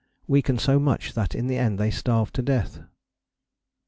Weaken so much that in the end they starved to death?